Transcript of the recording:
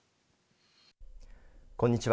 こんにちは。